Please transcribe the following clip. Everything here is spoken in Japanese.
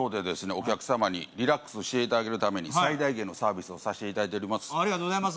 お客様にリラックスしていただけるために最大限のサービスをさせていただいておりますありがとうございます